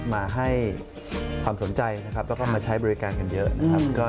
มาให้ความสนใจนะครับแล้วก็มาใช้บริการกันเยอะนะครับ